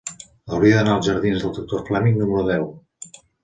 Hauria d'anar als jardins del Doctor Fleming número deu.